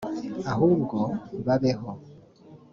ahubwo babeho